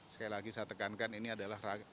sekali lagi saya tekankan ini adalah